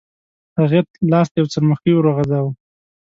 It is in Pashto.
هغې لاس ته یو څرمښکۍ وغورځاوه.